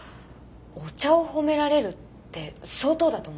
お茶を褒められるって相当だと思います。